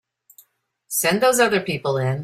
Send those other people in.